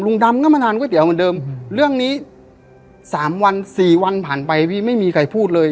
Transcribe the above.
ดำก็มาทานก๋วเหมือนเดิมเรื่องนี้สามวันสี่วันผ่านไปพี่ไม่มีใครพูดเลย